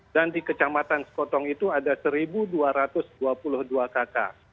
dan di kecamatan sekotong itu ada satu dua ratus dua puluh dua kakak